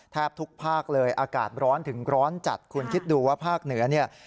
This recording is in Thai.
แทบทุกภาคเลยอากาศร้อนถึงร้อนจัดคุณคิดดูว่าภาคเหนือเนี่ย